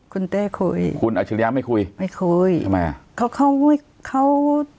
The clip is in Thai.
คุณเต้คุยคุณอัชริยะไม่คุยไม่คุยทำไมอ่ะเขาเขาอุ้ยเขา